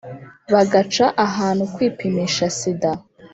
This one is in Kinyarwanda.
Bagaca ahantu kwipimisha sida